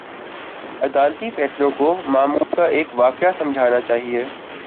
عدالتی فیصلے کو معمول کا ایک واقعہ سمجھنا چاہیے۔